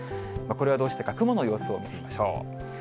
これはどうしてか、雲の様子を見てみましょう。